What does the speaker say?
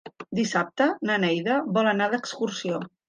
Dissabte na Neida vol anar d'excursió.